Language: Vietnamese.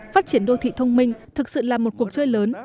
phát triển đô thị thông minh thực sự là một cuộc chơi lớn